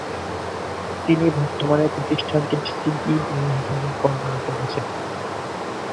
তিনি বর্তমানে প্রতিষ্ঠানটির সিইও হিসেবে কর্মরত আছেন।